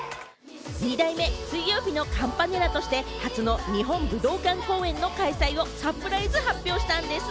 ２代目・水曜日のカンパネラとして初の日本武道館公演の開催をサプライズ発表したんです。